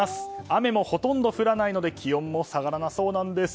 雨もほとんど降らないので気温も下がらなさそうなんです。